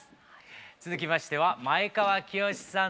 続きましては前川清さんです。